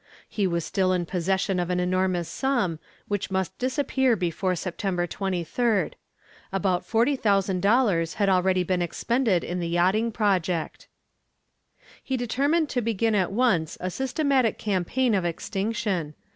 He was still in possession of an enormous sum, which must disappear before September 23d. About $40,000 had already been expended in the yachting project. He determined to begin at once a systematic campaign of extinction.